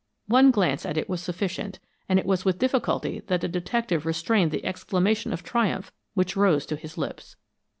One glance at it was sufficient, and it was with difficulty that the detective restrained the exclamation of triumph which rose to his lips.